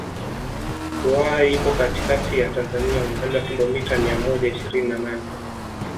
Ruaha ipo katikati ya Tanzania umbali wa kilomita mia moja ishirini na nane